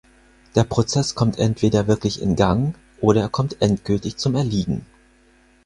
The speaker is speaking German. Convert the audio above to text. Der Prozess kommt entweder wirklich in Gang, oder er kommt endgültig zum Erliegen.